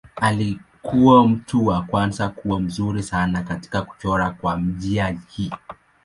Alikuwa mtu wa kwanza kuwa mzuri sana katika kuchora kwa njia hii.